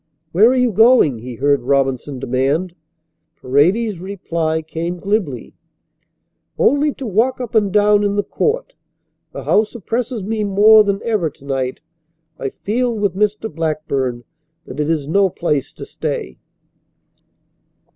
"Where are you going?" he heard Robinson demand. Paredes's reply came glibly. "Only to walk up and down in the court. The house oppresses me more than ever to night. I feel with Mr. Blackburn that it is no place to stay."